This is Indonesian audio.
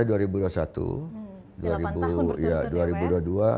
delapan tahun berturut turut ya pak ya